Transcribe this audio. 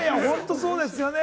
本当、そうですよね！